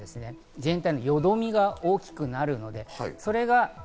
全体によどみが大きくなる。